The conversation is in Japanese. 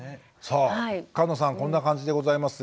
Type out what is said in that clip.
さあ菅野さんこんな感じでございます。